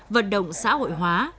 vận động xã hội hóa